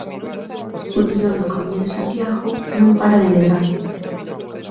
O tirón do Camiño de Santiago non para de medrar.